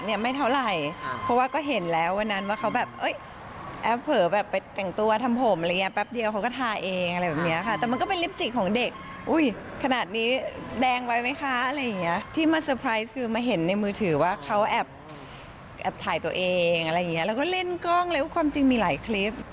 ไม่เท่าไหร่เพราะว่าก็เห็นแล้ววันนั้นว่าเขาแบบเอ้ยแอปเผลอแบบไปแต่งตัวทำผมอะไรอย่างเงี้แป๊บเดียวเขาก็ทาเองอะไรแบบเนี้ยค่ะแต่มันก็เป็นลิปสี่ของเด็กอุ้ยขนาดนี้แดงไว้ไหมคะอะไรอย่างเงี้ยที่มาเตอร์ไพรส์คือมาเห็นในมือถือว่าเขาแอบถ่ายตัวเองอะไรอย่างเงี้ยแล้วก็เล่นกล้องแล้วความจริงมีหลายคลิป